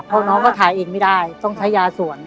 เพราะน้องก็ถ่ายเองไม่ได้ต้องใช้ยาสวน